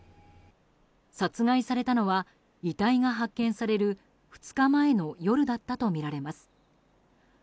殺害されたのは遺体が発見される２日前の夜だったとみられます。